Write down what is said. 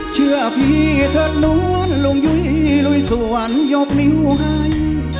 เชื่อพี่เถิดนวลลงยุ้ยด้วยส่วนยกนิ้วให้